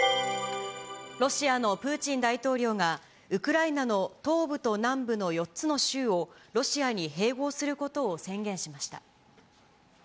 ロシアのプーチン大統領が、ウクライナの東部と南部の４つの州をロシアに併合することを宣言しました。